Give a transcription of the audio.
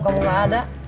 kamu enggak ada